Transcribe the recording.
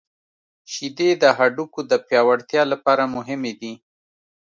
• شیدې د هډوکو د پیاوړتیا لپاره مهمې دي.